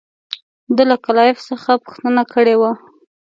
ده له کلایف څخه پوښتنه کړې وه.